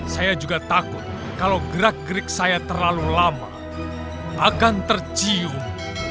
saya juga takut kalau gerak gerik saya terlalu lama akan tercium